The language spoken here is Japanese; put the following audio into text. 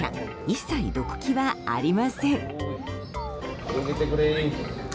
一切、どく気はありません。